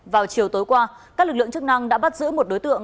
vào chiều tối qua các lực lượng chức năng đã bắt giữ một đối tượng